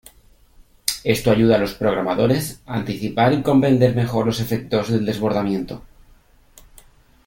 Esto ayuda a los programadores anticipar y comprender mejor los efectos del desbordamiento.